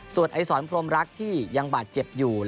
ส่วนไอศรพรมรักที่ยังบาดเจ็บอยู่